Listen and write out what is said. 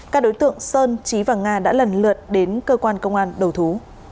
các đối tượng sơn trí và nga đã lần lượt đến cơ quan công an đầu thú